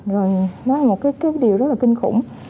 rồi nó là một cái điều rất là kinh khủng